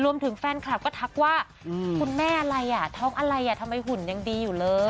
แฟนคลับก็ทักว่าคุณแม่อะไรอ่ะท้องอะไรอ่ะทำไมหุ่นยังดีอยู่เลย